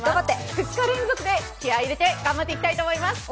２日連続で、気合い入れて頑張っていきたいと思います！